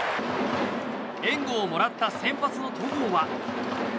援護をもらった先発の戸郷は。